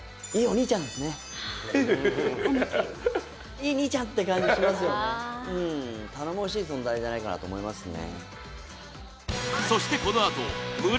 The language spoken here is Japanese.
いい兄ちゃんって感じしますよね、頼もしい存在じゃないかなと思いますね。